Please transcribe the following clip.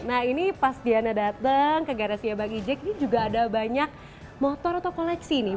nah ini pas diana datang ke garasinya bang ejek ini juga ada banyak motor atau koleksi nih